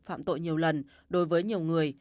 phạm tội nhiều lần đối với nhiều người